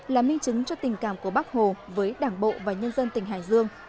là minh chứng cho tình cảm của bắc hồ với đảng bộ và nhân dân tỉnh hải dương